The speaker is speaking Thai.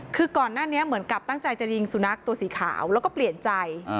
คือก่อนหน้านี้เหมือนกับตั้งใจจะยิงสุนัขตัวสีขาวแล้วก็เปลี่ยนใจ